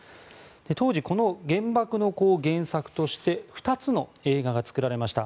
当時、この「原爆の子」を原作として２つの映画が作られました。